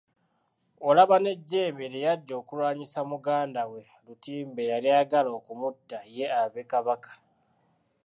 Olaba n'ejjembe lye yaggya okulwanyisa muganda we Lutimba eyali ayagala okumutta ye abe kabaka..